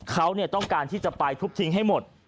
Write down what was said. เขาต้องการที่จะไปทุบทิ้งให้หมด